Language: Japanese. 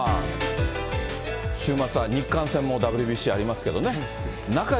週末は日韓戦もＷＢＣありますけどね。